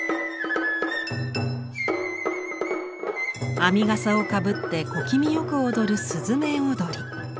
編みがさをかぶって小気味よく踊る雀踊り。